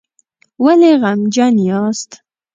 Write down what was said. ولې غمجن یاست؟